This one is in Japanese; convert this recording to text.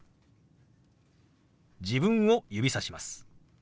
自分を指さします。